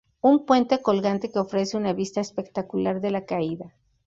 Un puente colgante que ofrece una vista espectacular de la caída.